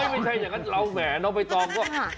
ไม่ใช่อย่างนั้นเราแหวนออกไปต้องแหวนออกไปต้อง